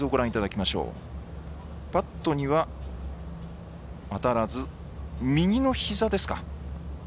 バットには当たらず右の膝ですか。